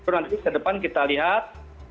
nanti ke depan kita lihat